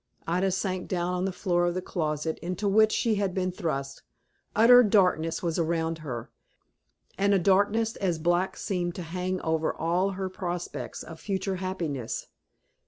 Ida sank down on the floor of the closet into which she had been thrust. Utter darkness was around her, and a darkness as black seemed to hang over all her prospects of future happiness.